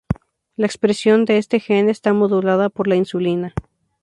La expresión de este gen está modulada por la insulina.